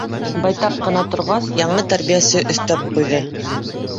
Байтаҡ ҡына торғас, яңы тәрбиәсе өҫтәп ҡуйҙы: